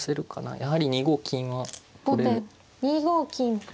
やはり２五金は取れる。